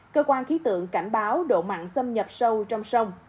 cơ quan khí tượng cảnh báo độ mặn xâm nhập sâu trong sông